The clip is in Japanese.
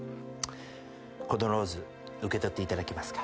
このローズ受け取っていただけますか？